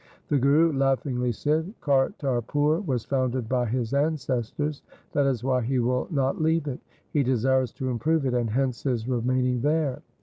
The Guru laughingly said, ' Kartarpur was founded by his ancestors. That is why he will not leave it. He desires to improve it, and hence his remaining there.